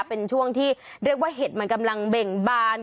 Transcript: เป็นช่วงที่เรียกว่าเห็ดมันกำลังเบ่งบาน